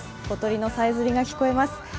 小鳥のさえずりが聞こえます。